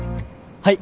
はい。